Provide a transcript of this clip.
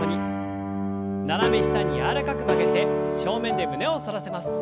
斜め下に柔らかく曲げて正面で胸を反らせます。